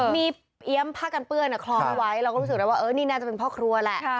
มีเอี๊ยมผ้ากันเปื้อนคล้องไว้เราก็รู้สึกได้ว่านี่น่าจะเป็นพ่อครัวแหละ